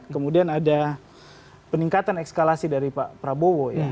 kemudian ada peningkatan ekskalasi dari pak prabowo ya